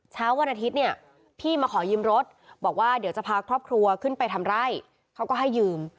เช้าวันอาทิตย์เนี่ยพี่มาขอยืมรถบอกว่าเดี๋ยวจะพาครอบครัวขึ้นไปทำไร่เขาก็ให้ยืม